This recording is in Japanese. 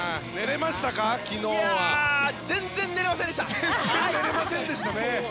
全然寝れませんでした。